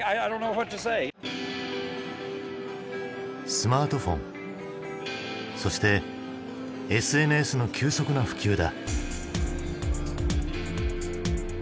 スマートフォンそしてＳＮＳの急速な普及だ。